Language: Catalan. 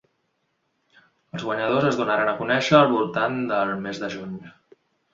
Els guanyadors es donaran a conèixer al voltant del mes de juny.